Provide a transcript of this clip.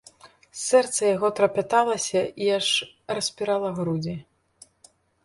Сэрца яго трапяталася і аж распірала грудзі.